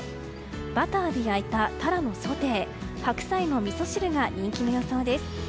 バターで焼いたタラのソテー白菜のみそ汁が人気の予想です。